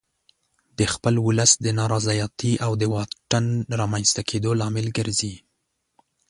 د خپل ولس د نارضایتي او د واټن رامنځته کېدو لامل ګرځي.